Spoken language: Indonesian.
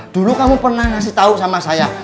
dulu kamu pernah ngasih tahu sama saya